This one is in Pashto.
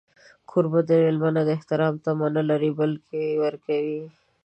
کوربه د مېلمه نه د احترام تمه نه لري، بلکې ورکوي.